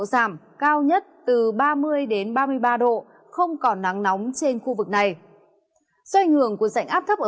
giảm cao nhất từ ba mươi đến ba mươi ba độ không còn nắng nóng trên khu vực này do ảnh hưởng của dạnh áp thấp ở